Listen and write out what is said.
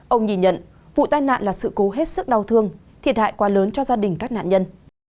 ông nhìn nhận vụ tai nạn là sự cố hết sức đau thương thiệt hại quá lớn cho gia đình các nạn nhân